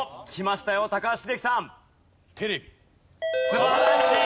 素晴らしい！